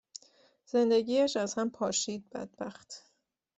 زندگیش از هم پاشید بدبخت.